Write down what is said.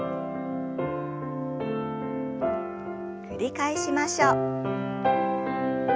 繰り返しましょう。